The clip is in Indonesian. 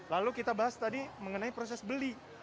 lalu kita bahas tadi mengenai proses beli